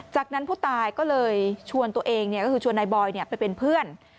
จากนั้นผู้ตายก็เลยชวนตัวเองก็คือชวนนายบอยไปเป็นเพื่อน